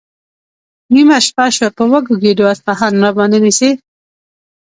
نیمه شپه شوه، په وږو ګېډو اصفهان راباندې نیسي؟